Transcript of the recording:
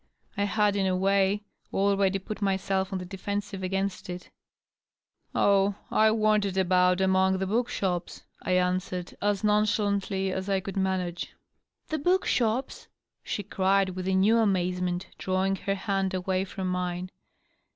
I had, in a way, already put myself on the defensive against it. " Oh, I wandered about among the book shops," I answered, as nonchalantly as I could manage. " The book shops !" she cried, with a new amazement, drawing her hand away from mine.